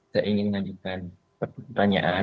saya ingin menanyakan pertanyaan